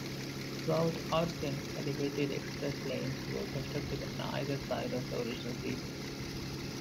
Throughout Austin, elevated express lanes were constructed on either side of the original freeway.